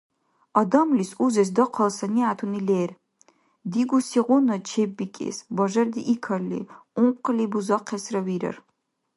Адамлис узес дахъал санигӀятуни лер, дигусигъуна чеббикӀес бажардиикалли, ункъли бузахъесра вирар.